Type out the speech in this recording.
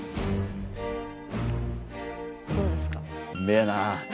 どうですか？